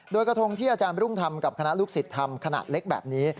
โดยกระทงที่อาจารย์รุ่งทำกับคณะลูกศิษย์ทำขนาดเล็กแบบนี้